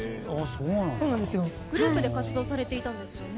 グループで活動されていたんですよね。